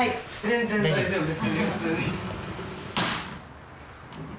全然大丈夫です。